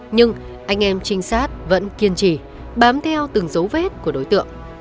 nhưng anh em trinh sát vẫn kiên trì bám theo từng dấu vết của đối tượng